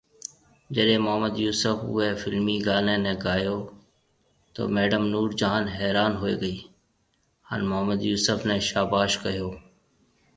جڏي محمد يوسف اوئي فلمي گاني ني گايو تو ميڊم نور جهان حيران هوئي گئي هان محمد يوسف ني شاباش ڪهيو